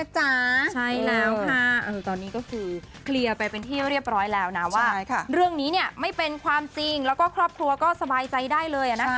ใช่แล้วค่ะตอนนี้ก็คือเคลียร์ไปเป็นที่เรียบร้อยแล้วนะว่าเรื่องนี้ไม่เป็นความจริงแล้วก็ครอบครัวก็สบายใจได้เลยนะคะ